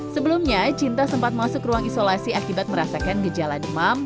sebelumnya cinta sempat masuk ruang isolasi akibat merasakan gejala demam